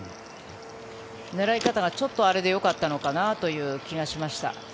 狙い方がちょっとあれでよかったのかなという気がしました。